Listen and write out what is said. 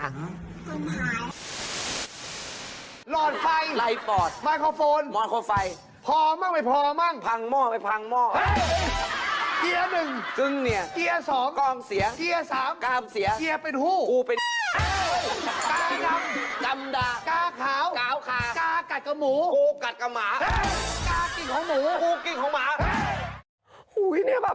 กิ่งของหมูมุกกิ่งของหม้าหูยนี่แบบตกมึงให้เติบ